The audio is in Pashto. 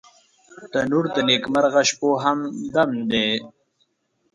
تنور د نیکمرغه شپو همدم دی